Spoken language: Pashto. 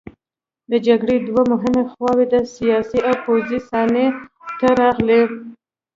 د جګړې دوه مهمې خواوې د سیاسي او پوځي صحنې ته راغلې.